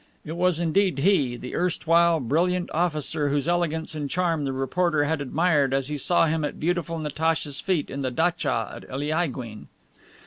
It was indeed he, the erstwhile brilliant officer whose elegance and charm the reporter had admired as he saw him at beautiful Natacha's feet in the datcha at Eliaguine.